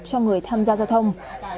cho người tham gia giao thông